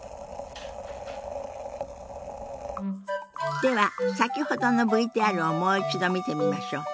では先ほどのＶＴＲをもう一度見てみましょう。